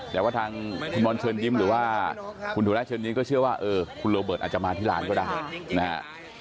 แต่ว่าทางคุณบอลเชิญยิ้มหรือว่าคุณธุระเชิญยิ้มก็เชื่อว่าคุณโรเบิร์ตอาจจะมาที่ร้านก็ได้นะฮะ